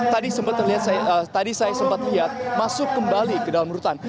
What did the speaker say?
tadi sempat lihat tadi saya sempat lihat masuk kembali ke dalam rutan